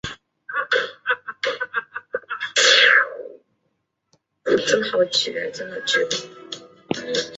这是大联盟唯一一次触身球造成球员死亡的案例。